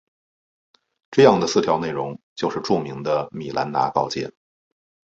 这样的四条内容就是著名的米兰达告诫。